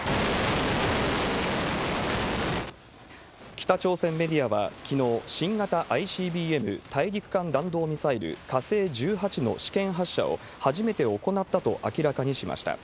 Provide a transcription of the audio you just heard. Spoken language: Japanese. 北朝鮮メディアはきのう、新型ＩＣＢＭ・大陸間弾道ミサイル火星１８の試験発射を初めて行ったと明らかにしました。